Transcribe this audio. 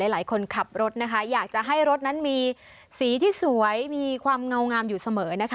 หลายคนขับรถนะคะอยากจะให้รถนั้นมีสีที่สวยมีความเงางามอยู่เสมอนะคะ